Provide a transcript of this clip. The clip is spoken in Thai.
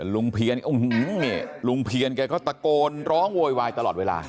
ลุงเพียรอึงเนี่ยลุงเพียรแกก็ตะโกนร้องโวยวายตลอดเวลา